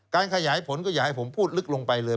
ขยายผลก็อย่าให้ผมพูดลึกลงไปเลย